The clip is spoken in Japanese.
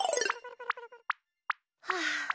はあ。